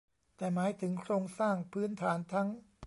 แต่หมายถึงโครงสร้างพื้นฐานทั้ง